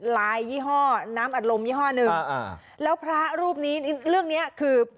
ลายยี่ห้อน้ำอัดลมยี่ห้อหนึ่งแล้วพระรูปนี้เรื่องเนี้ยคือ